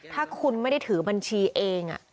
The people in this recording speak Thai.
ถ้าคุณไม่ได้ถือบัญชีเอง